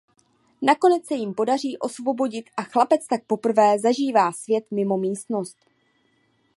Nakonec se jim podaří osvobodit a chlapec tak poprvé zažívá svět mimo místnost.